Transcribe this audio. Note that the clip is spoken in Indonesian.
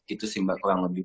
itu sih mbak kurang lebih